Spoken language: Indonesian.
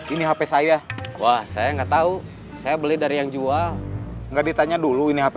ini hp saya wah saya nggak tahu saya beli dari yang jual nggak ditanya dulu ini hp